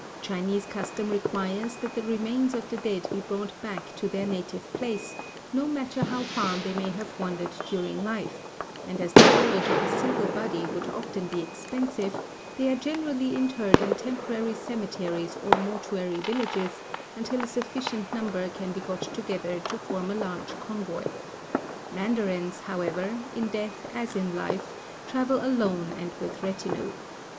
Chinese custom requires that the remains of the dead be brought back to their native place, no matter how far they may have wandered during life, and as the carriage of a single body would often be expensive, they are generally interred in temporary cemeteries or mortuary villages, until a sufficient number can be got together to form a large convoy. Mandarins, however, in death as in life, travel alone and with retinue.